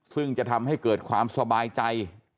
ซึ่งจะทำให้เกิดความสบายใจ